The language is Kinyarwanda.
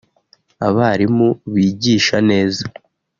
abarimu bigisha neza